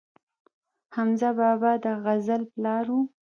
حمزه بابا د غزل پلار و